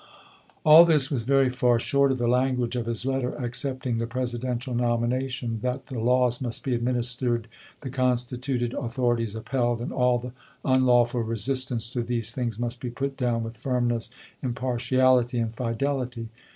All this was very far short of the language of his letter accepting the Presidential nomination, that "the laws must be administered, the consti tuted authorities upheld, and all unlawful resist ance to these things must be put down with firmness, impartiality, and fidelity."